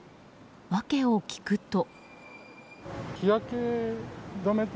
訳を聞くと。